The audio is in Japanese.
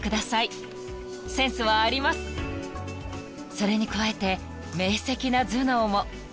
［それに加えて明晰な頭脳も］